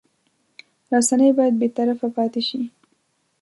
رسنۍ باید بېطرفه پاتې شي.